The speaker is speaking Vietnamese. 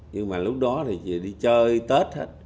nhưng mà lúc đó thì về đi chơi tết hết